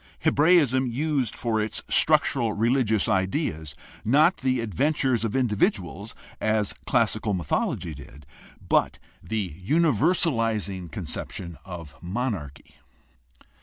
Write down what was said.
Hebraism used for its structural religious ideas not the adven tures of individuals, as classical mythology did, but the universalizing conception of monarchy.